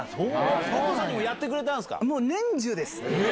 北斗さんにもやってくれたんもう年中です。